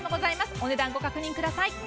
お値段、ご確認ください。